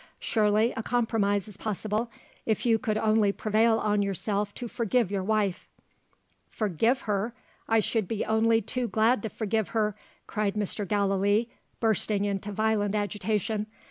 Surely, a compromise is possible, if you could only prevail on yourself to forgive your wife." "Forgive her? I should be only too glad to forgive her!" cried Mr. Gallilee, bursting into violent agitation.